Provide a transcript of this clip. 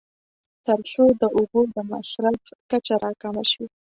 تر څو د اوبو د مصرف کچه راکمه شي.